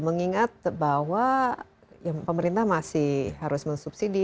mengingat bahwa pemerintah masih harus mensubsidi